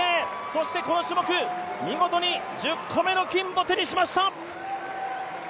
そしてこの種目、見事に１０個目の金を手にしました！